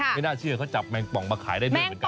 ไม่น่าเชื่อเขาจับแมงป่องมาขายได้ด้วยเหมือนกัน